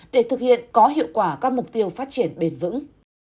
để thực hiện có hiệu quả các mục tiêu phát triển bền vững